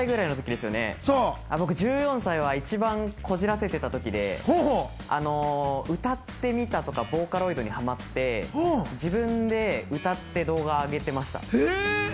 僕１４歳の時は一番こじらせてた時で、歌ってみたとかボーカロイドにはまって、自分で歌って動画あげてました。